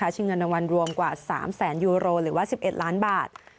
ชิงเงินรางวัลรวมกว่า๓แสนยูโรหรือว่า๑๑ล้านบาท